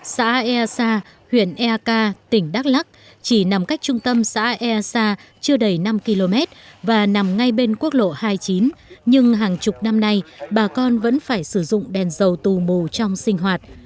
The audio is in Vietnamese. xã ea sa huyện ea ca tỉnh đắk lắc chỉ nằm cách trung tâm xã ea sa chưa đầy năm km và nằm ngay bên quốc lộ hai mươi chín nhưng hàng chục năm nay bà con vẫn phải sử dụng đèn dầu tù mù trong sinh hoạt